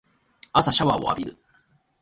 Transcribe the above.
朝シャワーを浴びる